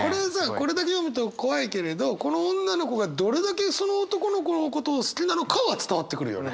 これだけ読むと怖いけれどこの女の子がどれだけその男の子のことを好きなのかは伝わってくるよね。